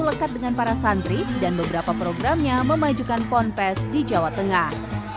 itu lekat dengan para santri dan beberapa programnya memajukan pondok pesantren di jawa tengah